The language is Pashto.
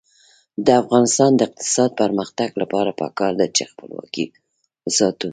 د افغانستان د اقتصادي پرمختګ لپاره پکار ده چې خپلواکي وساتو.